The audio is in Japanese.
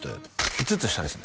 ５つ下ですね